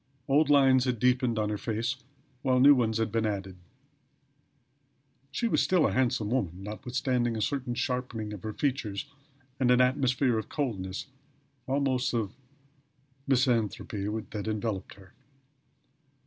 Old lines had deepened on her face while new ones had been added. She was still a handsome woman, notwithstanding a certain sharpening of her features and an atmosphere of coldness, almost of misanthropy, that enveloped her.